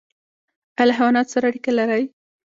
ایا له حیواناتو سره اړیکه لرئ؟